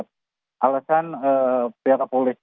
alasan pihak apolisi yang menghilangkan dua nama dalam dpo ini